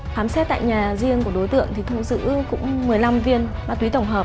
phám xét tại nhà riêng của đối tượng thì thủ giữ cũng một mươi năm viên bát túy tổng hợp